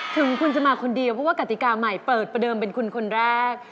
ถึงคุณจะมาคนเดียวเพราะว่ากติกาใหม่เปิดประเดิมเป็นคุณคนแรก